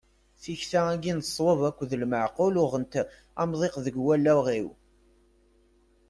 Tikta-agi n ṣwab akked lmeɛqul uɣent amḍiq deg wallaɣ-iw.